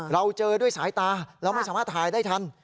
เราเจอด้วยสายตาเราไม่สามารถถ่ายได้ทัน